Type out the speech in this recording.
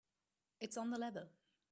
It's on the level.